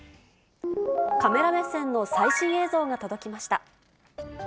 カメラ目線の最新映像が届きました。